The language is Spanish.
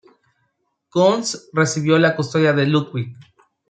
Koons recibió la custodia de Ludwig.